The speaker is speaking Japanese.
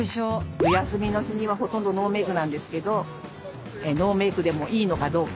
お休みの日にはほとんどノーメークなんですけどノーメークでもいいのかどうか？